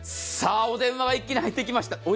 お電話が一気に入ってきました。